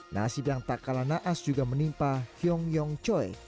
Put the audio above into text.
nasib yang tak kalah naas juga menimpa hyong yong choi